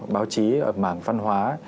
báo chí ở mảng văn hóa